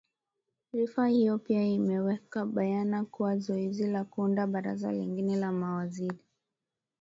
rifa hiyo pia imeweka bayana kuwa zoezi la kuunda baraza lingine la mawaziri